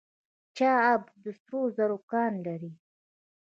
چاه اب سرو زرو کان لري؟